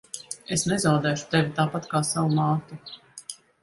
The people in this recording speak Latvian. Es nezaudēšu tevi tāpat kā savu māti.